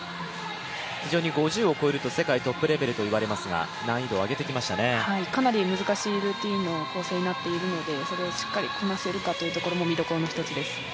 非常に５０を超えると世界トップレベルといわれますが、かなり難しいルーティンの構成になっているのでそれをしっかりこなせるかというところも見どころの一つです。